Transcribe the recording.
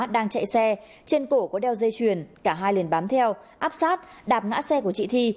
đang chạy xe trên cổ có đeo dây chuyền cả hai liền bám theo áp sát đạp ngã xe của chị thi